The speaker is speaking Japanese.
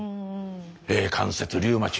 関節リウマチ